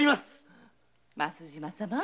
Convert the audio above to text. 増島様